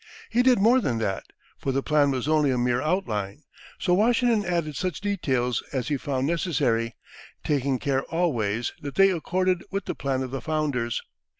He did more than that, for the plan was only a mere outline; so Washington added such details as he found necessary, taking care always that they accorded with the plan of the founders.